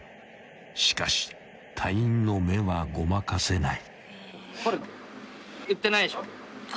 ［しかし隊員の目はごまかせない］